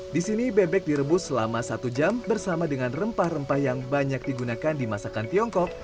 di sini bebek direbus selama satu jam bersama dengan rempah rempah yang banyak digunakan di masakan tiongkok